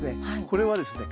これはですね